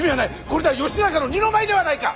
これでは義仲の二の舞ではないか！